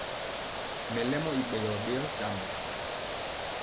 Mɛlɛmɔ i ɓɛgɔ ɓeyɔ tambɔ.